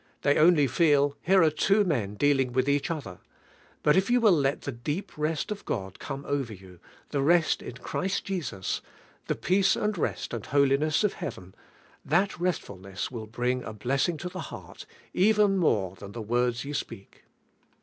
They only feel: Here are two men dealing with each other. But if yon will let the deep rest of Ood come over you. the rest in Christ Jesos, the peace anil irsi and holi ness of heaven, that resi fulness will bring u blessing to the heart, even more than the words yon speak.